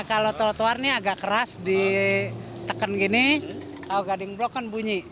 kalau trotoar ini agak keras ditekan gini kalau guiding block kan bunyi